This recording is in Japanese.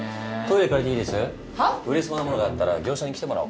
売れそうなものがあったら業者に来てもらおう。